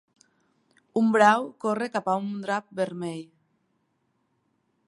Un brau corre cap un drap vermell.